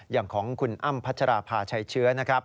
อย่างของคุณอ้ำพัชราภาชัยเชื้อนะครับ